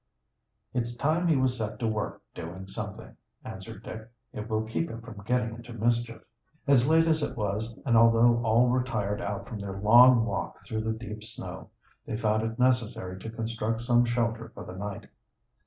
"It's time he was set to work doing something," answered Dick. "It will keep him from getting into mischief." As late as it was, and although all were tired out from their long walk through the deep snow, they found it necessary to construct some shelter for the night.